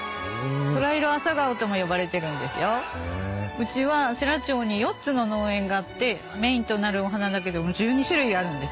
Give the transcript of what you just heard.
うちは世羅町に４つの農園があってメインとなるお花だけでも１２種類あるんです。